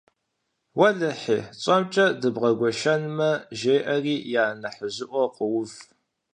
- Уэлэхьи, тщӀэмкӀэ дыбдэгуэшэнмэ, - жеӀэри я нэхъыжьыӀуэр къоув.